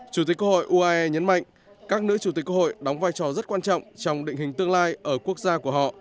chủ tịch quốc hội uae nhấn mạnh các nữ chủ tịch quốc hội đóng vai trò rất quan trọng trong định hình tương lai ở quốc gia của họ